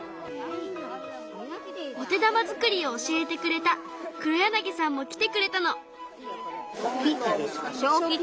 お手玉作りを教えてくれた畔柳さんも来てくれたの。